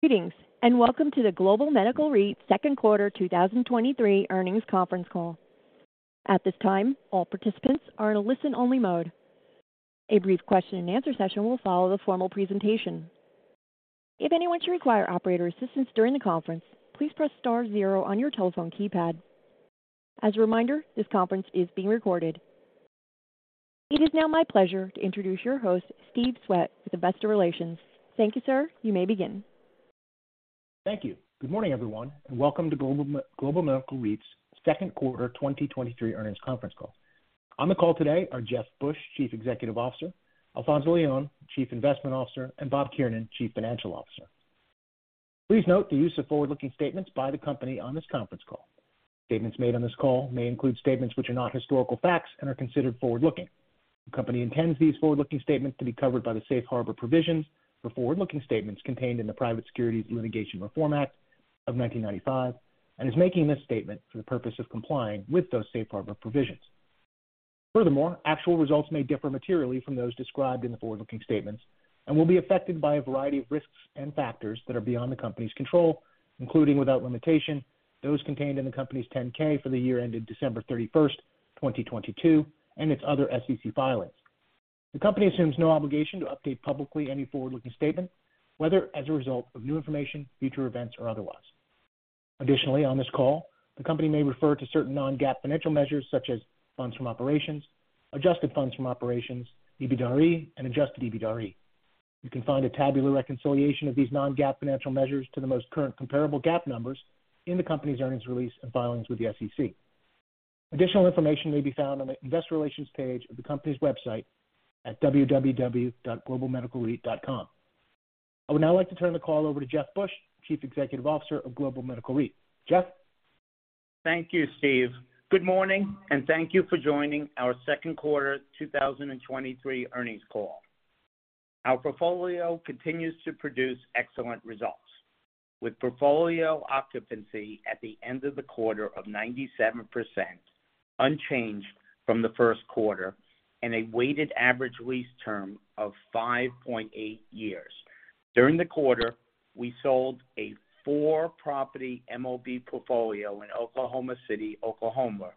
Greetings, and welcome to the Global Medical REIT Second Quarter 2023 Earnings Conference Call. At this time, all participants are in a listen-only mode. A brief question and answer session will follow the formal presentation. If anyone should require operator assistance during the conference, please press star 0 on your telephone keypad. As a reminder, this conference is being recorded. It is now my pleasure to introduce your host, Steve Swett, with Investor Relations. Thank you, sir. You may begin. Thank you. Good morning, everyone, and welcome to Global Medical REIT's Second Quarter 2023 Earnings Conference Call. On the call today are Jeff Busch, Chief Executive Officer; Alfonzo Leon, Chief Investment Officer; and Bob Kiernan, Chief Financial Officer. Please note the use of forward-looking statements by the company on this conference call. Statements made on this call may include statements which are not historical facts and are considered forward-looking. The company intends these forward-looking statements to be covered by the safe harbor provisions for forward-looking statements contained in the Private Securities Litigation Reform Act of 1995 and is making this statement for the purpose of complying with those safe harbor provisions. Furthermore, actual results may differ materially from those described in the forward-looking statements and will be affected by a variety of risks and factors that are beyond the company's control, including, without limitation, those contained in the company's 10-K for the year ended December 31st, 2022, and its other SEC filings. The company assumes no obligation to update publicly any forward-looking statement, whether as a result of new information, future events, or otherwise. Additionally, on this call, the company may refer to certain non-GAAP financial measures, such as Funds From Operations, Adjusted Funds From Operations, EBITDAre, and adjusted EBITDAre. You can find a tabular reconciliation of these non-GAAP financial measures to the most current comparable GAAP numbers in the company's earnings release and filings with the SEC. Additional information may be found on the Investor Relations page of the company's website at www.globalmedicalreit.com. I would now like to turn the call over to Jeff Busch, Chief Executive Officer of Global Medical REIT. Jeff? Thank you, Steve. Good morning, thank you for joining our Second Quarter 2023 Earnings Call. Our portfolio continues to produce excellent results, with portfolio occupancy at the end of the quarter of 97%, unchanged from the first quarter, and a weighted average lease term of 5.8 years. During the quarter, we sold a four-property MOB portfolio in Oklahoma City, Oklahoma,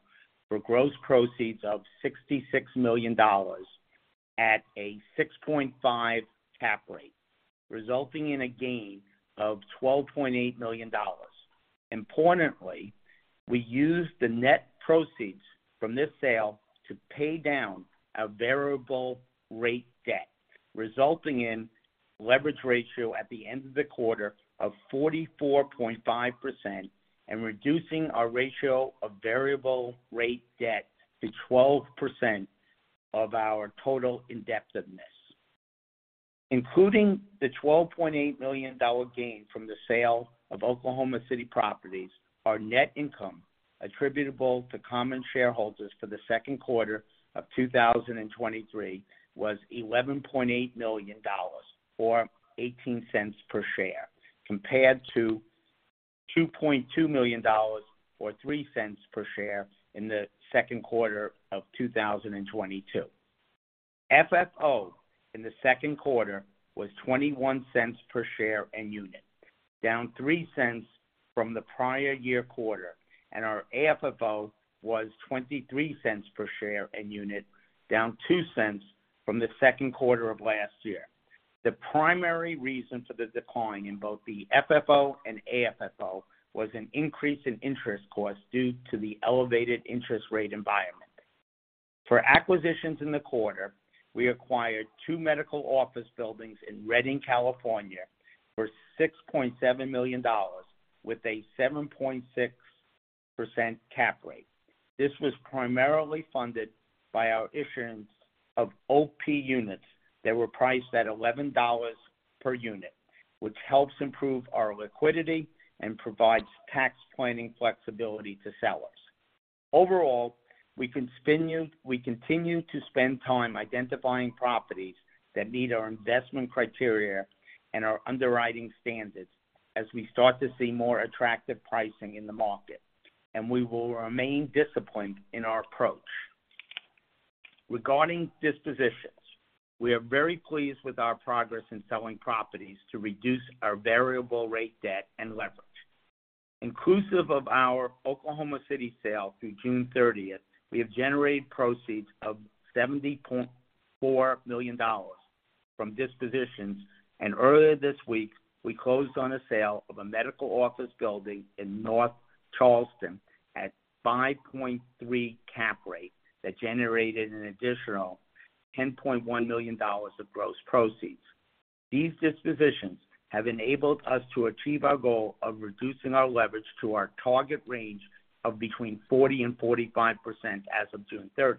for gross proceeds of $66 million at a 6.5 cap rate, resulting in a gain of $12.8 million. Importantly, we used the net proceeds from this sale to pay down our variable-rate debt, resulting in a leverage ratio at the end of the quarter of 44.5% and reducing our ratio of variable-rate debt to 12% of our total indebtedness. Including the $12.8 million gain from the sale of Oklahoma City properties, our net income attributable to common shareholders for the second quarter of 2023 was $11.8 million, or $0.18 per share, compared to $2.2 million, or $0.03 per share, in the second quarter of 2022. FFO in the second quarter was $0.21 per share and unit, down $0.03 from the prior year quarter, and our AFFO was $0.23 per share and unit, down $0.02 from the second quarter of last year. The primary reason for the decline in both the FFO and AFFO was an increase in interest costs due to the elevated interest rate environment. For acquisitions in the quarter, we acquired two medical office buildings in Redding, California, for $6.7 million with a 7.6% cap rate. This was primarily funded by our issuance of OP units that were priced at $11 per unit, which helps improve our liquidity and provides tax planning flexibility to sellers. Overall, we continue, we continue to spend time identifying properties that meet our investment criteria and our underwriting standards as we start to see more attractive pricing in the market, and we will remain disciplined in our approach. Regarding dispositions, we are very pleased with our progress in selling properties to reduce our variable-rate debt and leverage. Inclusive of our Oklahoma City sale through June 30th, we have generated proceeds of $70.4 million from dispositions, and earlier this week, we closed on a sale of a medical office building in North Charleston at 5.3% cap rate that generated an additional $10.1 million of gross proceeds. These dispositions have enabled us to achieve our goal of reducing our leverage to our target range of between 40% and 45% as of June 30th.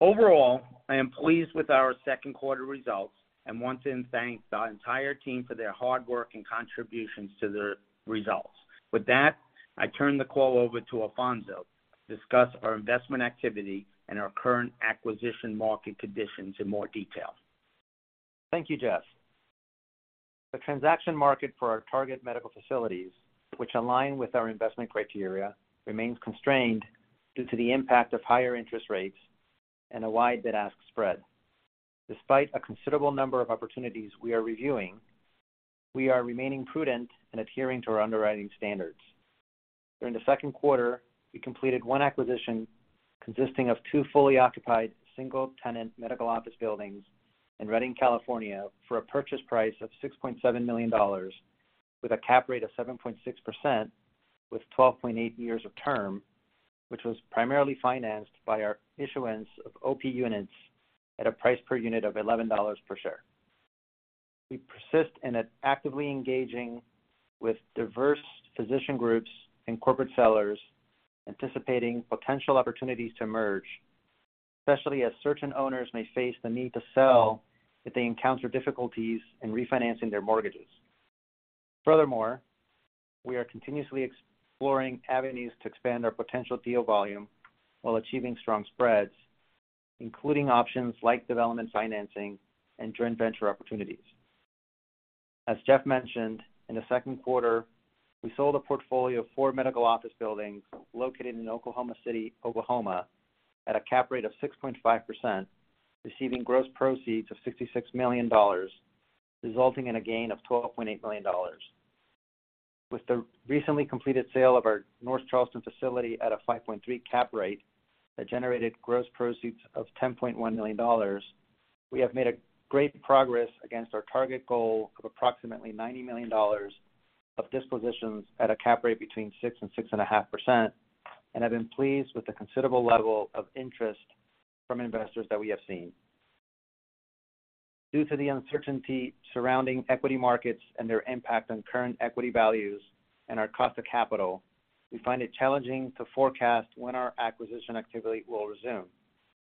Overall, I am pleased with our 2nd quarter results and want to thank the entire team for their hard work and contributions to the results. With that, I turn the call over to Alfonzo to discuss our investment activity and our current acquisition market conditions in more detail. Thank you, Jeff. The transaction market for our target medical facilities, which align with our investment criteria, remains constrained due to the impact of higher interest rates-... and a wide bid-ask spread. Despite a considerable number of opportunities we are reviewing, we are remaining prudent and adhering to our underwriting standards. During the second quarter, we completed one acquisition consisting of two fully occupied, single-tenant medical office buildings in Redding, California, for a purchase price of $6.7 million, with a cap rate of 7.6%, with 12.8 years of term, which was primarily financed by our issuance of OP units at a price per unit of $11 per share. We persist in actively engaging with diverse physician groups and corporate sellers, anticipating potential opportunities to emerge, especially as certain owners may face the need to sell if they encounter difficulties in refinancing their mortgages. Furthermore, we are continuously exploring avenues to expand our potential deal volume while achieving strong spreads, including options like development financing and joint venture opportunities. As Jeff mentioned, in the second quarter, we sold a portfolio of 4 medical office buildings located in Oklahoma City, Oklahoma, at a cap rate of 6.5%, receiving gross proceeds of $66 million, resulting in a gain of $12.8 million. With the recently completed sale of our North Charleston facility at a 5.3% cap rate that generated gross proceeds of $10.1 million, we have made a great progress against our target goal of approximately $90 million of dispositions at a cap rate between 6%-6.5%, and have been pleased with the considerable level of interest from investors that we have seen. Due to the uncertainty surrounding equity markets and their impact on current equity values and our cost of capital, we find it challenging to forecast when our acquisition activity will resume.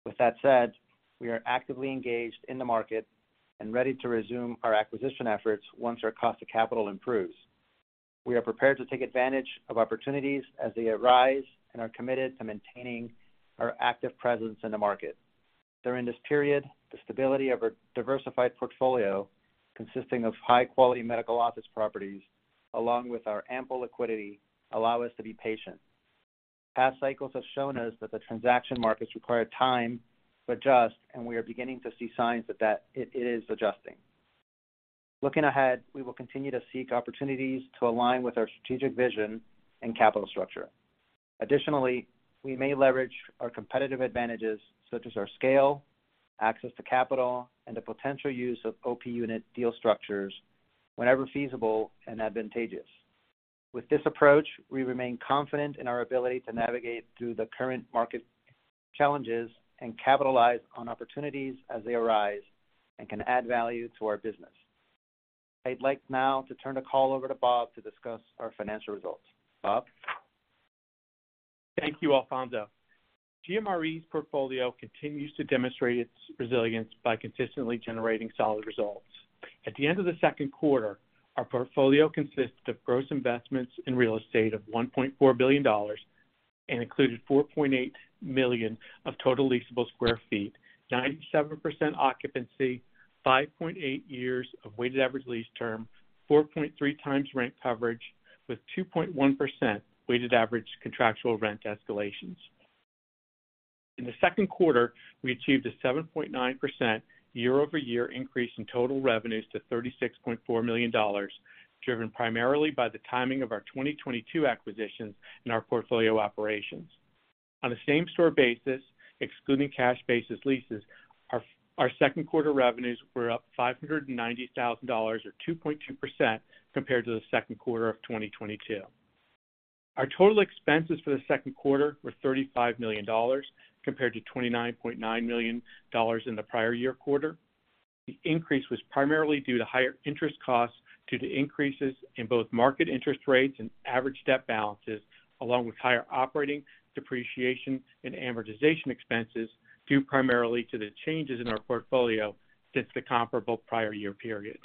With that said, we are actively engaged in the market and ready to resume our acquisition efforts once our cost of capital improves. We are prepared to take advantage of opportunities as they arise and are committed to maintaining our active presence in the market. During this period, the stability of our diversified portfolio, consisting of high-quality medical office properties, along with our ample liquidity, allow us to be patient. Past cycles have shown us that the transaction markets require time to adjust, and we are beginning to see signs that, that it is adjusting. Looking ahead, we will continue to seek opportunities to align with our strategic vision and capital structure. Additionally, we may leverage our competitive advantages, such as our scale, access to capital, and the potential use of OP unit deal structures whenever feasible and advantageous. With this approach, we remain confident in our ability to navigate through the current market challenges and capitalize on opportunities as they arise and can add value to our business. I'd like now to turn the call over to Bob to discuss our financial results. Bob? Thank you, Alfonso. GMRE's portfolio continues to demonstrate its resilience by consistently generating solid results. At the end of the second quarter, our portfolio consisted of gross investments in real estate of $1.4 billion and included 4.8 million sq ft, 97% occupancy, 5.8 years of weighted average lease term, 4.3 times rent coverage with 2.1% weighted average contractual rent escalations. In the second quarter, we achieved a 7.9% year-over-year increase in total revenues to $36.4 million, driven primarily by the timing of our 2022 acquisitions and our portfolio operations. On a same-store basis, excluding cash basis leases, our second quarter revenues were up $590,000, or 2.2%, compared to the second quarter of 2022. Our total expenses for the second quarter were $35 million, compared to $29.9 million in the prior year quarter. The increase was primarily due to higher interest costs due to increases in both market interest rates and average debt balances, along with higher operating depreciation and amortization expenses, due primarily to the changes in our portfolio since the comparable prior year period.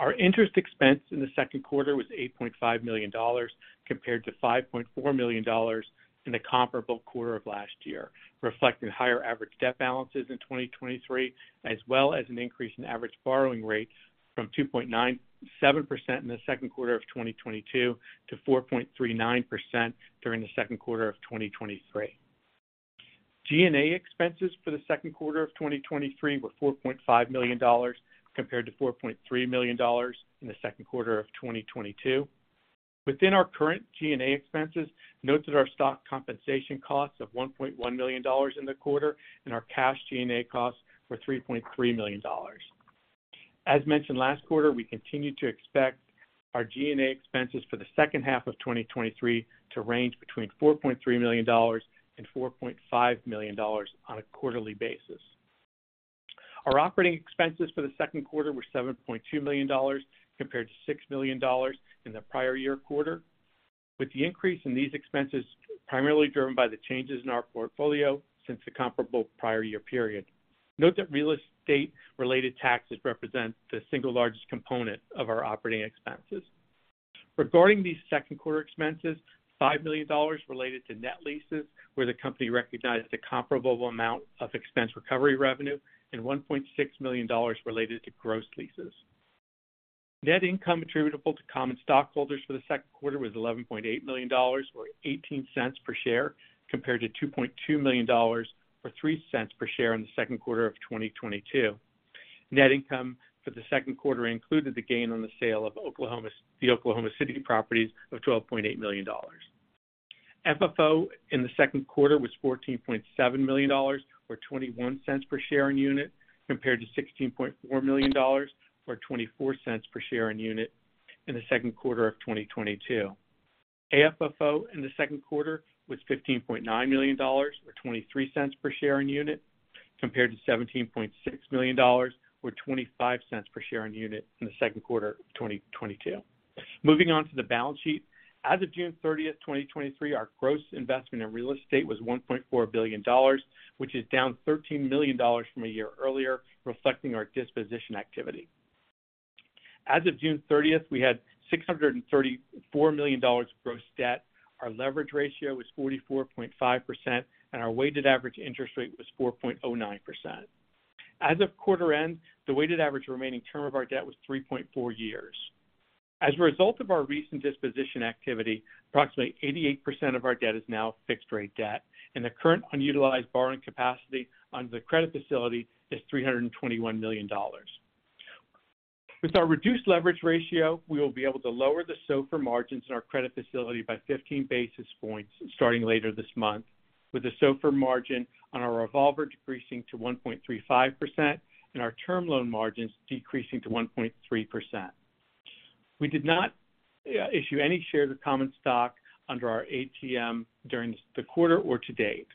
Our interest expense in the second quarter was $8.5 million, compared to $5.4 million in the comparable quarter of last year, reflecting higher average debt balances in 2023, as well as an increase in average borrowing rates from 2.97% in the second quarter of 2022 to 4.39% during the second quarter of 2023. G&A expenses for the second quarter of 2023 were $4.5 million, compared to $4.3 million in the second quarter of 2022. Within our current G&A expenses, note that our stock compensation costs of $1.1 million in the quarter and our cash G&A costs were $3.3 million. As mentioned last quarter, we continue to expect our G&A expenses for the second half of 2023 to range between $4.3 million and $4.5 million on a quarterly basis. Our operating expenses for the second quarter were $7.2 million, compared to $6 million in the prior year quarter, with the increase in these expenses primarily driven by the changes in our portfolio since the comparable prior year period. Note that real estate-related taxes represent the single largest component of our operating expenses. Regarding these second-quarter expenses, $5 million related to net leases, where the company recognized a comparable amount of expense recovery revenue, and $1.6 million related to gross leases. Net income attributable to common stockholders for the second quarter was $11.8 million, or $0.18 per share, compared to $2.2 million, or $0.03 per share in the second quarter of 2022. Net income for the second quarter included the gain on the sale of Oklahoma, the Oklahoma City properties of $12.8 million. FFO in the second quarter was $14.7 million, or $0.21 per share in unit, compared to $16.4 million or $0.24 per share in unit in the second quarter of 2022. AFFO in the second quarter was $15.9 million, or $0.23 per share in unit, compared to $17.6 million or $0.25 per share in unit in the second quarter of 2022. Moving on to the balance sheet. As of June 30th, 2023, our gross investment in real estate was $1.4 billion, which is down $13 million from a year earlier, reflecting our disposition activity. As of June 30th, we had $634 million gross debt. Our leverage ratio was 44.5%, and our weighted average interest rate was 4.09%. As of quarter end, the weighted average remaining term of our debt was 3.4 years. As a result of our recent disposition activity, approximately 88% of our debt is now fixed-rate debt, and the current unutilized borrowing capacity on the credit facility is $321 million. With our reduced leverage ratio, we will be able to lower the SOFR margins in our credit facility by 15 basis points starting later this month, with a SOFR margin on our revolver decreasing to 1.35% and our term loan margins decreasing to 1.3%. We did not issue any shares of common stock under our ATM during the quarter or to date.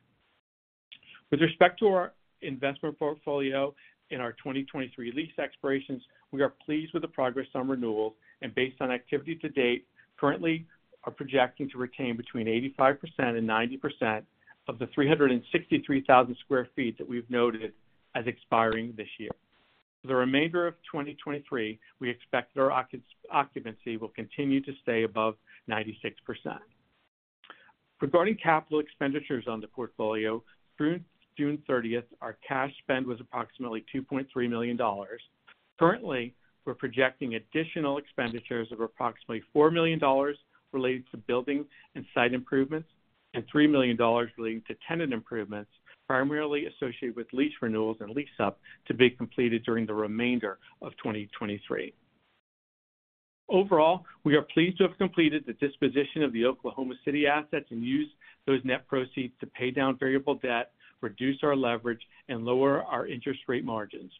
With respect to our investment portfolio in our 2023 lease expirations, we are pleased with the progress on renewals and based on activity to date, currently are projecting to retain between 85% and 90% of the 363,000 sq ft that we've noted as expiring this year. For the remainder of 2023, we expect that our occupancy will continue to stay above 96%. Regarding capital expenditures on the portfolio, through June 30th, our cash spend was approximately $2.3 million. Currently, we're projecting additional expenditures of approximately $4 million related to buildings and site improvements, and $3 million relating to tenant improvements, primarily associated with lease renewals and lease up to be completed during the remainder of 2023. Overall, we are pleased to have completed the disposition of the Oklahoma City assets and use those net proceeds to pay down variable debt, reduce our leverage, and lower our interest rate margins.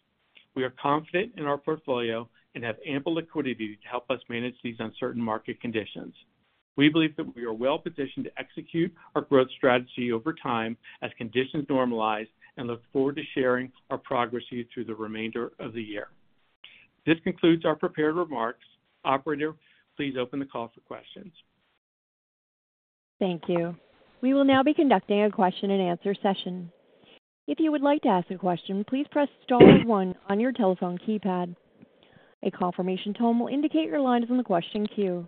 We are confident in our portfolio and have ample liquidity to help us manage these uncertain market conditions. We believe that we are well positioned to execute our growth strategy over time as conditions normalize, and look forward to sharing our progress with you through the remainder of the year. This concludes our prepared remarks. Operator, please open the call for questions. Thank you. We will now be conducting a question-and-answer session. If you would like to ask a question, please press star one on your telephone keypad. A confirmation tone will indicate your line is on the question queue.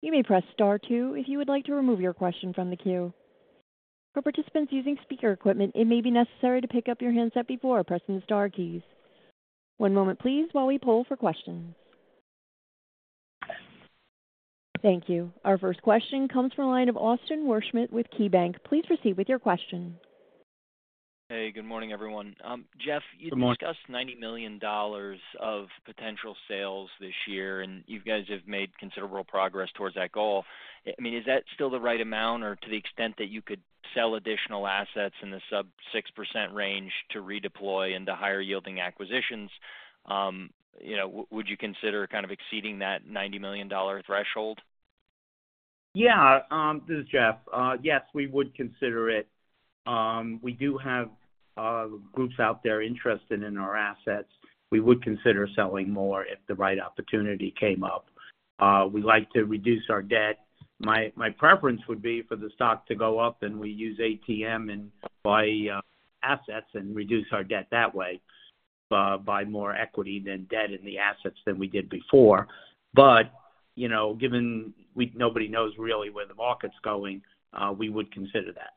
You may press star two if you would like to remove your question from the queue. For participants using speaker equipment, it may be necessary to pick up your handset before pressing the star keys. One moment please while we pull for questions. Thank you. Our first question comes from the line of Austin Wurschmidt with KeyBank. Please proceed with your question. Hey, good morning, everyone. Jeff- Good morning. You discussed $90 million of potential sales this year, and you guys have made considerable progress towards that goal. I mean, is that still the right amount, or to the extent that you could sell additional assets in the sub 6% range to redeploy into higher yielding acquisitions, you know, would you consider kind of exceeding that $90 million threshold? Yeah, this is Jeff. Yes, we would consider it. We do have groups out there interested in our assets. We would consider selling more if the right opportunity came up. We'd like to reduce our debt. My, my preference would be for the stock to go up and we use ATM and buy assets and reduce our debt that way, by more equity than debt in the assets than we did before. You know, given we-- nobody knows really where the market's going, we would consider that.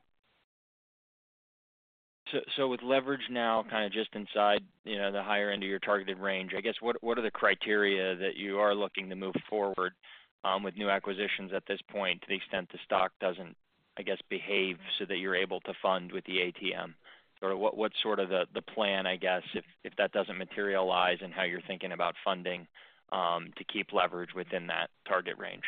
With leverage now kind of just inside, you know, the higher end of your targeted range, I guess, what, what are the criteria that you are looking to move forward with new acquisitions at this point, to the extent the stock doesn't, I guess, behave so that you're able to fund with the ATM? Or what, what's sort of the, the plan, I guess, if, if that doesn't materialize and how you're thinking about funding to keep leverage within that target range?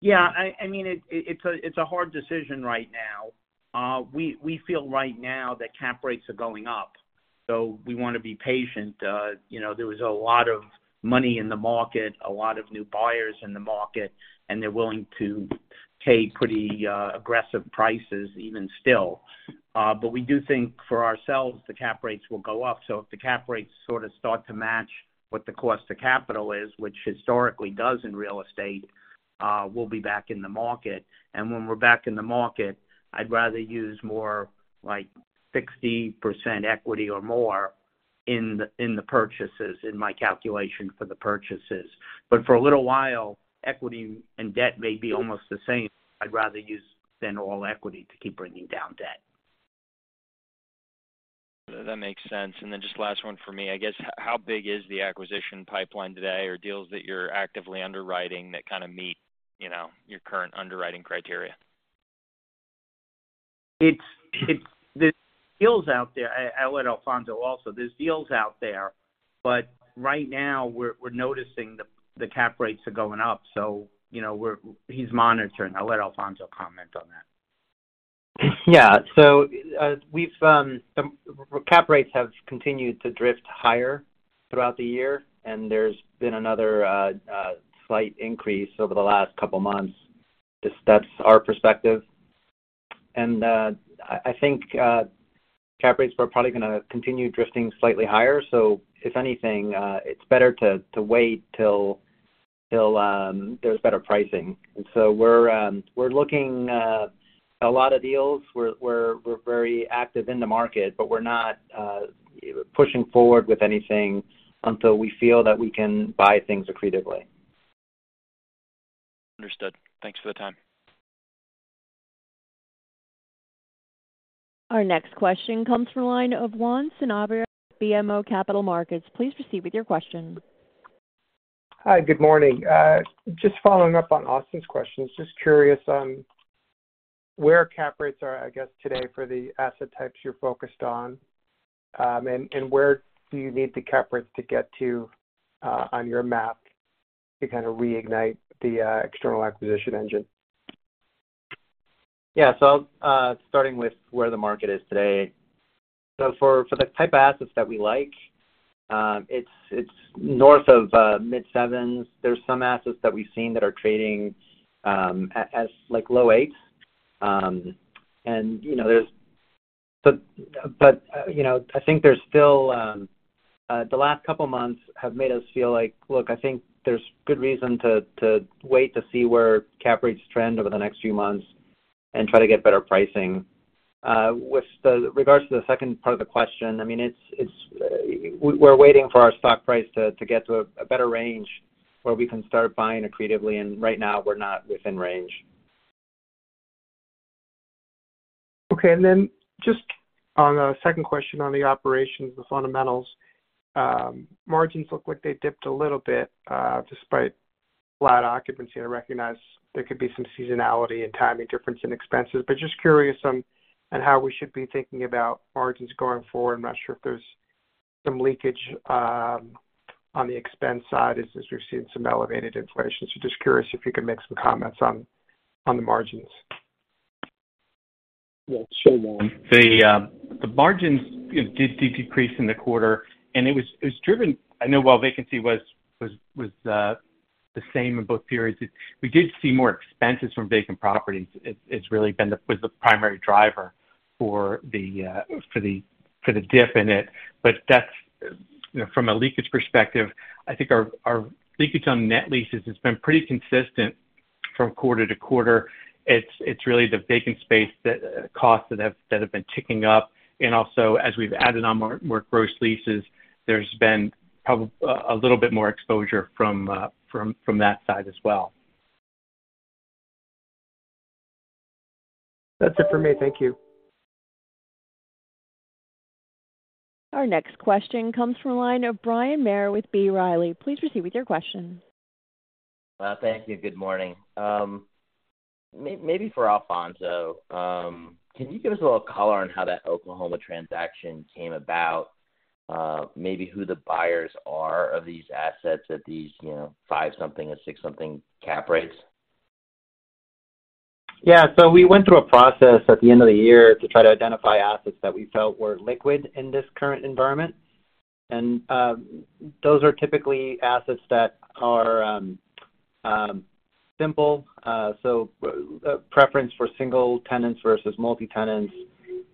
Yeah, I mean, it's a, it's a hard decision right now. We, we feel right now that cap rates are going up, we want to be patient. You know, there was a lot of money in the market, a lot of new buyers in the market, they're willing to pay pretty aggressive prices even still. We do think for ourselves, the cap rates will go up. If the cap rates sort of start to match what the cost of capital is, which historically does in real estate, we'll be back in the market. When we're back in the market, I'd rather use more like 60% equity or more in the, in the purchases, in my calculation for the purchases. For a little while, equity and debt may be almost the same. I'd rather use than all equity to keep bringing down debt. That makes sense. Then just last one for me. I guess, how big is the acquisition pipeline today, or deals that you're actively underwriting that kind of meet, you know, your current underwriting criteria? There's deals out there. I'll let Alfonzo also. There's deals out there, but right now, we're noticing the cap rates are going up, so, you know, he's monitoring. I'll let Alfonso comment on that. Yeah. We've some cap rates have continued to drift higher throughout the year, and there's been another slight increase over the last couple of months. That's our perspective. I, I think cap rates are probably going to continue drifting slightly higher. If anything, it's better to, to wait till, till there's better pricing. We're looking a lot of deals, we're, we're, we're very active in the market, but we're not pushing forward with anything until we feel that we can buy things accretively. Understood. Thanks for the time. Our next question comes from the line of Juan Sanabria, BMO Capital Markets. Please proceed with your question. Hi, good morning. Just following up on Austin's questions. Just curious on where cap rates are, I guess, today for the asset types you're focused on, and where do you need the cap rates to get to on your map to kind of reignite the external acquisition engine? Starting with where the market is today. For, for the type of assets that we like, it's, it's north of mid sevens. There's some assets that we've seen that are trading, at, as, like, low eights. You know, I think there's still. The last couple of months have made us feel like: Look, I think there's good reason to, to wait to see where cap rates trend over the next few months and try to get better pricing. With the regards to the second part of the question, I mean, it's, it's, we're waiting for our stock price to, to get to a, a better range, where we can start buying accretively, and right now, we're not within range. Okay. Just on a second question on the operations, the fundamentals. Margins look like they dipped a little bit, despite flat occupancy. I recognize there could be some seasonality and timing difference in expenses, but just curious on, on how we should be thinking about margins going forward. I'm not sure if there's some leakage, on the expense side as, as we've seen some elevated inflation. Just curious if you could make some comments on, on the margins? Yeah, sure, Juan. The margins, you know, did decrease in the quarter, and it was driven. I know while vacancy was the same in both periods, we did see more expenses from vacant properties. It's really been the primary driver for the dip in it. That's, you know, from a leakage perspective, I think our leakage on net leases has been pretty consistent from quarter to quarter. It's really the vacant space that costs that have been ticking up. Also, as we've added on more gross leases, there's been a little bit more exposure from that side as well. That's it for me. Thank you. Our next question comes from a line of Bryan Maher with B. Riley. Please proceed with your question. Thank you. Good morning. Maybe for Alfonso, can you give us a little color on how that Oklahoma transaction came about? Maybe who the buyers are of these assets at these, you know, five-something or six-something cap rates? Yeah. We went through a process at the end of the year to try to identify assets that we felt were liquid in this current environment. Those are typically assets that are simple. Preference for single tenants versus multi-tenants,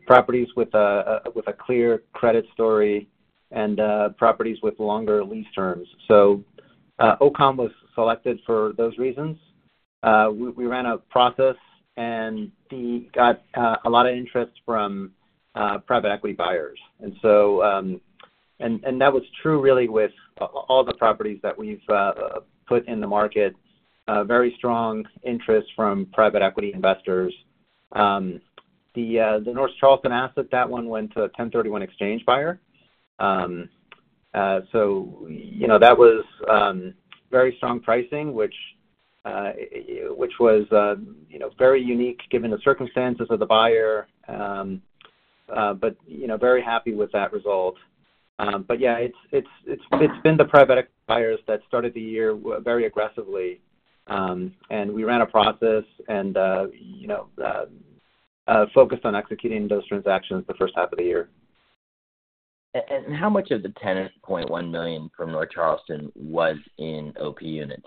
properties with a clear credit story and properties with longer lease terms. Oklahoma City was selected for those reasons. We, we ran a process and got a lot of interest from private equity buyers. That was true really with all the properties that we've put in the market. Very strong interest from private equity investors. The North Charleston asset, that one went to a 1031 Exchange buyer. You know, that was, very strong pricing, which, which was, you know, very unique given the circumstances of the buyer. You know, very happy with that result. Yeah, it's, it's, it's, it's been the private buyers that started the year very aggressively. We ran a process and, you know, focused on executing those transactions the first half of the year. How much of the $10.1 million from North Charleston was in OP units?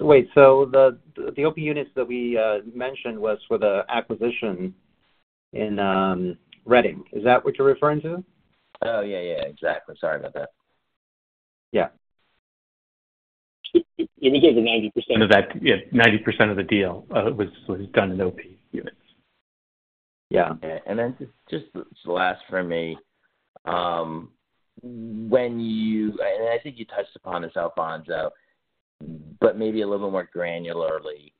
Wait, the OP units that we mentioned was for the acquisition in Redding. Is that what you're referring to? Oh, yeah, yeah, exactly. Sorry about that. Yeah. Can you give the 90%? Of that, yeah, 90% of the deal, was, was done in OP units.... Yeah, and then just, just the last for me. I think you touched upon this, Alfonso, but maybe a little more granularly.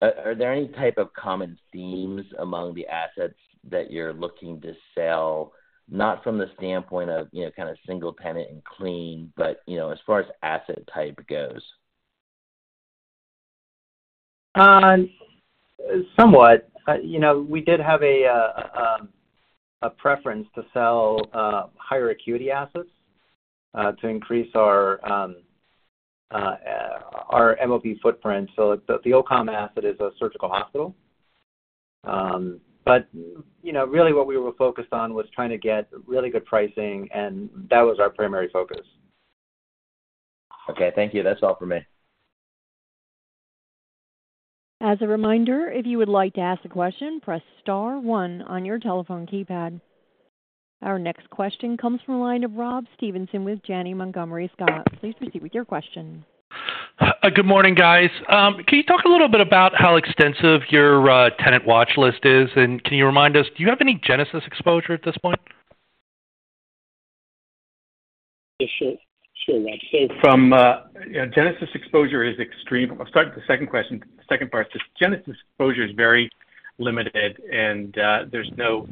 Are there any type of common themes among the assets that you're looking to sell? Not from the standpoint of, you know, kind of single tenant and clean, but, you know, as far as asset type goes. Somewhat. You know, we did have a preference to sell higher acuity assets to increase our MOB footprint. The OCOM asset is a surgical hospital. You know, really what we were focused on was trying to get really good pricing, and that was our primary focus. Okay. Thank you. That's all for me. As a reminder, if you would like to ask a question, press star one on your telephone keypad. Our next question comes from the line of Rob Stevenson with Janney Montgomery Scott. Please proceed with your question. Good morning, guys. Can you talk a little bit about how extensive your tenant watch list is? And can you remind us, do you have any Genesis exposure at this point? Sure. Sure. From, Genesis exposure is extreme. I'll start with the second question. The second part is, Genesis exposure is very limited, and there's no...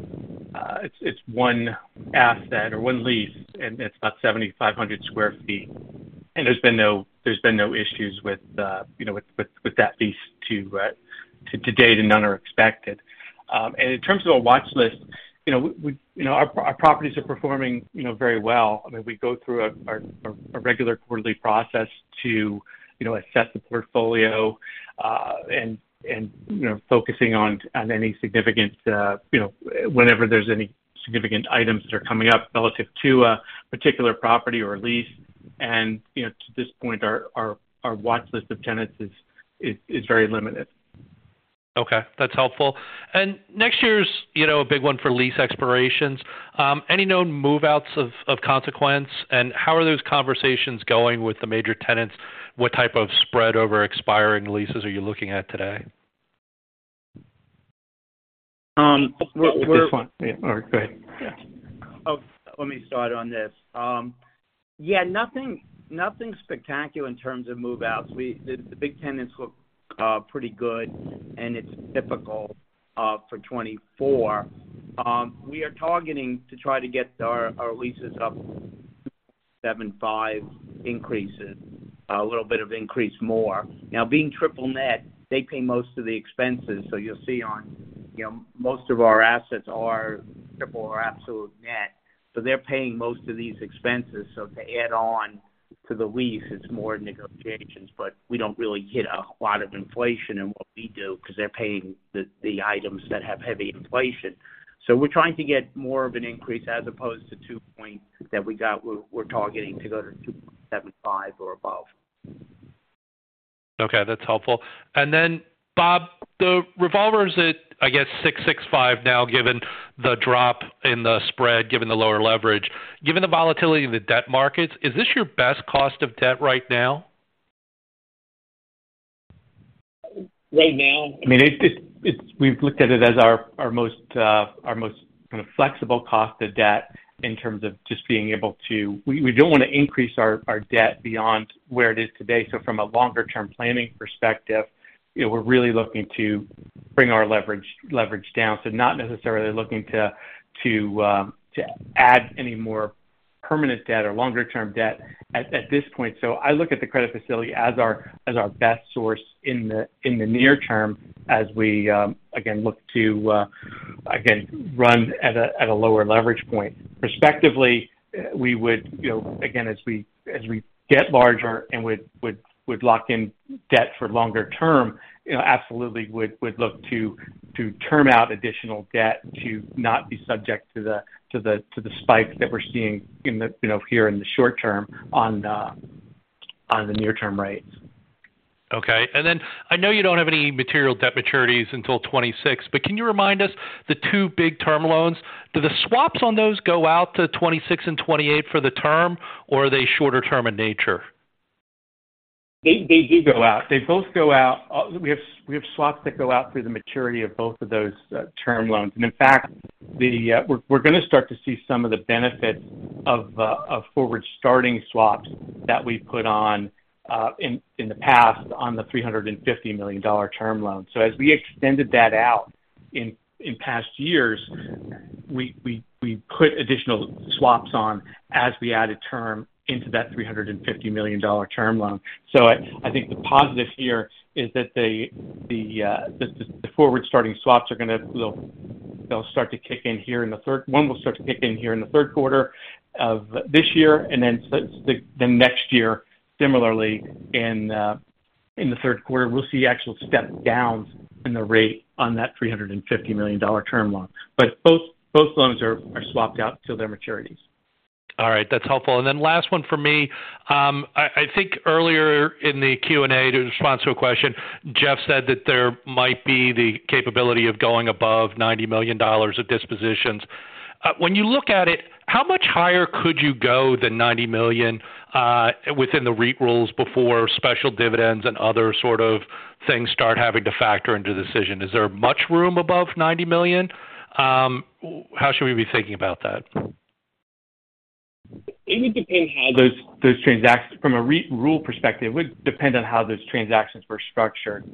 It's, it's one asset or one lease, and it's about 7,500 sq ft. There's been no, there's been no issues with, you know, with, with, with that lease to, to, to date, and none are expected. In terms of a watch list, you know, we, we, you know, our, our properties are performing, you know, very well. I mean, we go through a, a, a regular quarterly process to, you know, assess the portfolio, and, and, you know, focusing on, on any significant, you know, whenever there's any significant items that are coming up relative to a particular property or a lease. you know, to this point, our watch list of tenants is very limited. Okay, that's helpful. Next year's, you know, a big one for lease expirations. Any known move-outs of, of consequence, and how are those conversations going with the major tenants? What type of spread over expiring leases are you looking at today? Um, we're- This one. Yeah. All right, go ahead. Yeah. Oh, let me start on this. Yeah, nothing, nothing spectacular in terms of move-outs. We, the, the big tenants look pretty good, and it's difficult for 2024. We are targeting to try to get our, our leases up 7.5% increases, a little bit of increase more. Being triple net, they pay most of the expenses, you'll see on, you know, most of our assets are triple or absolute net, so they're paying most of these expenses. To add on to the lease, it's more negotiations, but we don't really get a lot of inflation in what we do because they're paying the, the items that have heavy inflation. We're trying to get more of an increase as opposed to 2% that we got. We're, we're targeting to go to 2.75% or above. Okay, that's helpful. Bob, the revolver is at, I guess, 6.65% now, given the drop in the spread, given the lower leverage. Given the volatility in the debt markets, is this your best cost of debt right now? Right now, I mean, we've looked at it as our, our most, our most kind of flexible cost of debt in terms of just being able to. We don't want to increase our, our debt beyond where it is today. From a longer-term planning perspective, you know, we're really looking to bring our leverage, leverage down. Not necessarily looking to, to add any more permanent debt or longer-term debt at, at this point. I look at the credit facility as our, as our best source in the, in the near term as we, again, look to, again, run at a, at a lower leverage point. Prospectively, we would, you know, again, as we, as we get larger and would, would, would lock in debt for longer term, you know, absolutely would, would look to, to term out additional debt to not be subject to the, to the, to the spike that we're seeing in the, you know, here in the short term on the, on the near-term rates. Okay. I know you don't have any material debt maturities until 2026, but can you remind us the two big-term loans, do the swaps on those go out to 2026 and 2028 for the term, or are they shorter term in nature? They, they do go out. They both go out. We have swaps that go out through the maturity of both of those term loans. In fact, We're gonna start to see some of the benefits of forward-starting swaps that we put on, in the past on the $350 million term loan. As we extended that out in past years, we put additional swaps on as we added term into that $350 million term loan. I, I think the positive here is that the, the, the, the forward-starting swaps are gonna, they'll, they'll start to kick in here in the third quarter of this year and then the, the, the next year, similarly, in the third quarter, we'll see actual step downs in the rate on that $350 million term loan. Both, both loans are, are swapped out till their maturities. All right. That's helpful. Then last one for me. I, I think earlier in the Q&A, to respond to a question, Jeff said that there might be the capability of going above $90 million of dispositions. When you look at it, how much higher could you go than $90 million within the REIT rules before special dividends and other sort of things start having to factor into the decision? Is there much room above $90 million? How should we be thinking about that? It would depend how those, those transactions, from a rule perspective, it would depend on how those transactions were structured,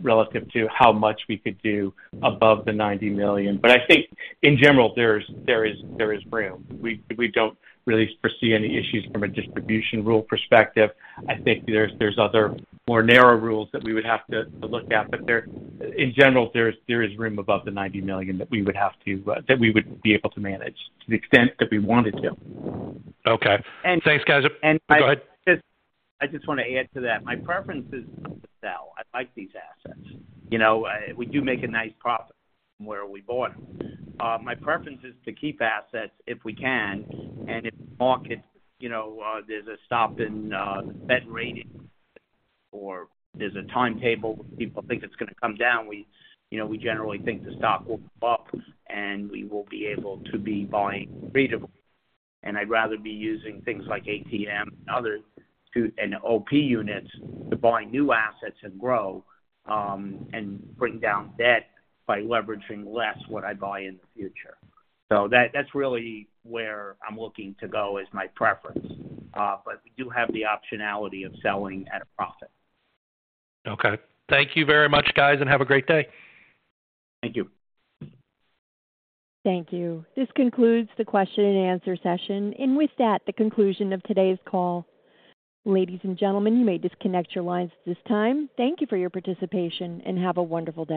relative to how much we could do above the $90 million. I think in general, there's, there is, there is room. We, we don't really foresee any issues from a distribution rule perspective. I think there's, there's other more narrow rules that we would have to, to look at, but there, in general, there is, there is room above the $90 million that we would have to, that we would be able to manage to the extent that we wanted to. Okay. And- Thanks, guys. Go ahead. I just want to add to that. My preference is to sell. I like these assets. You know, we do make a nice profit from where we bought them. My preference is to keep assets, if we can, and if the market, you know, there's a stop in the Fed rating or there's a timetable, people think it's gonna come down, we, you know, we generally think the stock will pop, and we will be able to be buying reasonably. I'd rather be using things like ATM and other and OP units to buy new assets and grow, and bring down debt by leveraging less what I buy in the future. That, that's really where I'm looking to go is my preference. We do have the optionality of selling at a profit. Okay. Thank you very much, guys, and have a great day. Thank you. Thank you. This concludes the question and answer session, and with that, the conclusion of today's call. Ladies and gentlemen, you may disconnect your lines at this time. Thank you for your participation, and have a wonderful day.